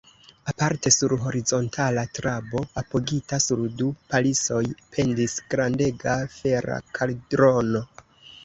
Aparte sur horizontala trabo, apogita sur du palisoj, pendis grandega fera kaldrono.